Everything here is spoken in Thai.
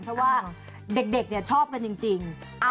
เพราะว่าเด็กชอบกันจริง